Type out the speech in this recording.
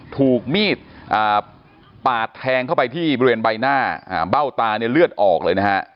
ถูกมีดปาดแทงเข้าไปที่บริเวณใบหน้าเบ้าตาเนี่ยเลือดออกเลยนะฮะ